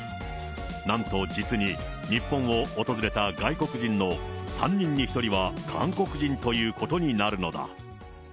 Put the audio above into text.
なんと実に日本を訪れた外国人の３人に１人は韓国人ということになるのだ。